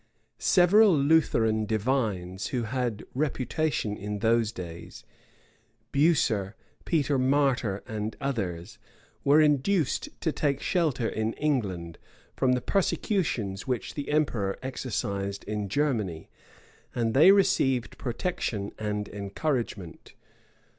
Several Lutheran divines, who had reputation in those days, Bucer, Peter Martyr, and others, were induced to take shelter in England, from the persecutions which the emperor exercised in Germany; and they received protection and encouragement.